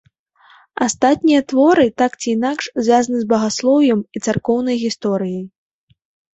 Астатнія творы так ці інакш звязаны з багаслоўем і царкоўнай гісторыяй.